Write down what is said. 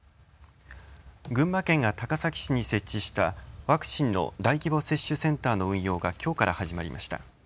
群馬県が高崎市に設置したワクチンの大規模接種センターの運用がきょうから始まりました。